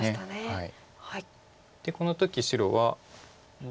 はい。